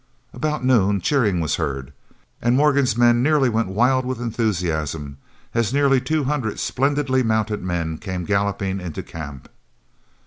About noon cheering was heard, and Morgan's men nearly went wild with enthusiasm, as nearly two hundred splendidly mounted men came galloping into camp.